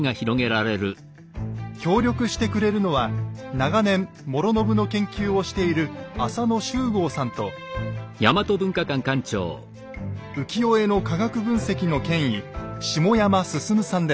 協力してくれるのは長年師宣の研究をしている浅野秀剛さんと浮世絵の科学分析の権威下山進さんです。